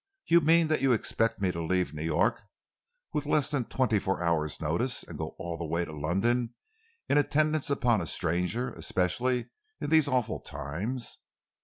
You mean that you expect me to leave New York with less than twenty four hours' notice, and go all the way to London in attendance upon a stranger, especially in these awful times?